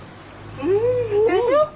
んでしょ？